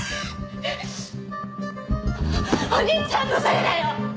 お兄ちゃんのせいだよ！